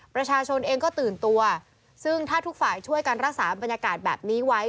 ประชาชนเองก็ตื่นตัวซึ่งถ้าทุกฝ่ายช่วยกันรักษาบรรยากาศแบบนี้ไว้